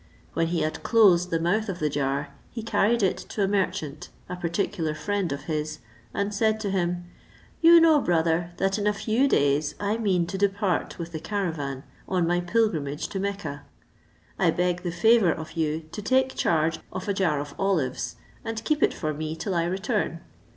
When he had closed the mouth of the jar, he carried it to a merchant, a particular friend of his, and said to him, "You know, brother, that in a few days I mean to depart with the caravan, on my pilgrimage to Mecca. I beg the favour of you to take charge of a jar of olives, and keep it for me till I return."